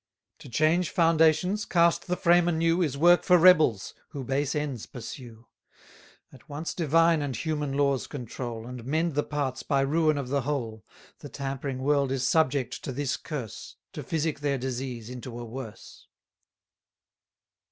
To change foundations, cast the frame anew, Is work for rebels, who base ends pursue; At once divine and human laws control, And mend the parts by ruin of the whole, The tampering world is subject to this curse, To physic their disease into a worse.